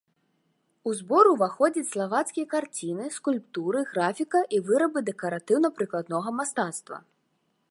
У збор уваходзяць славацкія карціны, скульптуры, графіка і вырабы дэкаратыўна-прыкладнага мастацтва.